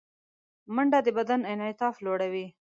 منډه د بدن انعطاف لوړوي